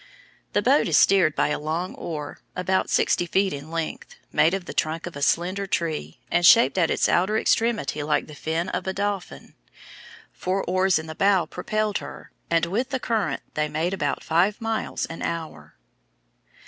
The boat is steered by a long oar, about sixty feet in length, made of the trunk of a slender tree, and shaped at its outer extremity like the fin of a dolphin; four oars in the bow propelled her, and with the current they made about five miles an hour.